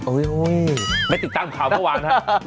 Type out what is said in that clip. โอ้ยไม่ติดตามข่าวเมื่อวานครับ